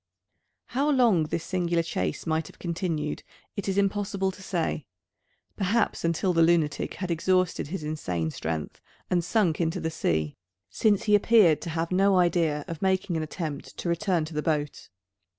How long this singular chase might have continued, it is impossible to say. Perhaps until the lunatic had exhausted his insane strength, and sunk into the sea: since he appeared to have no idea of making an attempt to return to the boat.